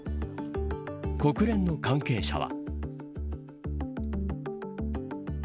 国連の関係者は。